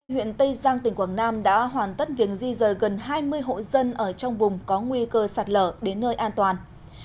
huyện tây giang tỉnh quảng nam đã hoàn tất việc di rời gần hai mươi hộ dân ở trong vùng có nguy cơ sạt lở đến nơi an toàn